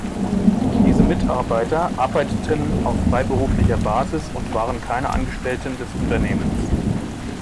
Diese Mitarbeiter arbeiteten auf freiberuflicher Basis und waren keine Angestellten des Unternehmens.